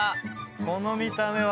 この見た目は。